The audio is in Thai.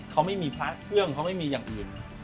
เขาไม่มีพระเครื่องเขาไม่มีอย่างอื่น